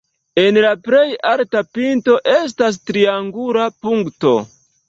En la plej alta pinto estas triangula punkto.